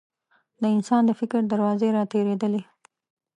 د انسان د فکر دروازې راتېرېدلې.